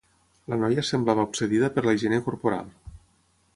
La noia semblava obsedida per la higiene corporal.